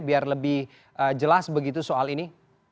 biar lebih jelas begitu soal ini